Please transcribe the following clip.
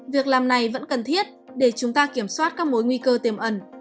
việc làm này vẫn cần thiết để chúng ta kiểm soát các mối nguy cơ tiềm ẩn